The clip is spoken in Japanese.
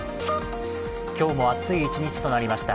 今日も暑い一日となりました。